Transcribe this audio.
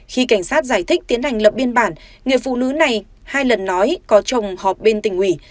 khi cảnh sát giải thích tiến hành lập biên bản người phụ nữ này hai lần nói có chồng họp bên tỉnh ủy